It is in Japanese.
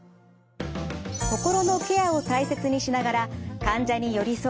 心のケアを大切にしながら患者に寄り添う